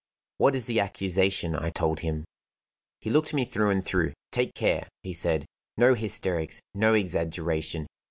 "What is the accusation?" I told him. He looked me through and through. "Take care!" he said. "No hysterics, no exaggeration.